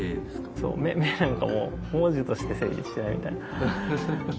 「メ」なんかも文字として成立してないみたいな。